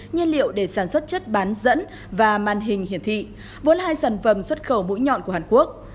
nhiên liệu để sản xuất chất bán dẫn và màn hình hiển thị vốn hai sản phẩm xuất khẩu mũi nhọn của hàn quốc